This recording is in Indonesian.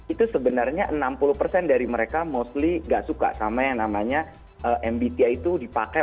itu sebenarnya enam puluh persen dari mereka mostly gak suka sama yang namanya mbti itu dipakai